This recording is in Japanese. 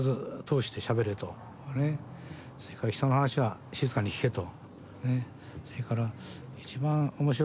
それから人の話は静かに聞けと。